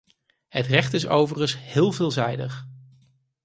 Het recht is overigens heel veelzijdig.